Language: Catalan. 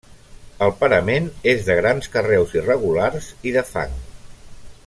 El parament és de grans carreus irregulars i de fang.